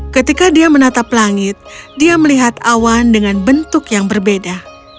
ketika dia menatap langit dia melihat awan dengan bentuk yang berbeda